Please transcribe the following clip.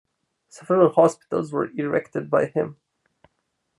Several hospitals were erected by him.